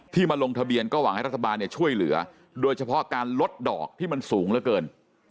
มาลงทะเบียนก็หวังให้รัฐบาลช่วยเหลือโดยเฉพาะการลดดอกที่มันสูงเหลือเกิน